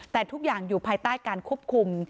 แต่ทุกอย่างอยู่ภายใต้การควบคุม